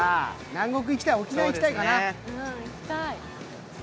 南国、行きたい、沖縄、行きたいかな